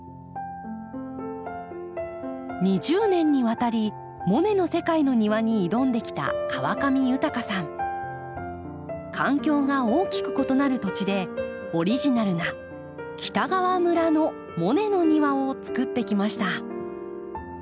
２０年にわたりモネの世界の庭に挑んできた環境が大きく異なる土地でオリジナルな北川村のモネの庭をつくってきました。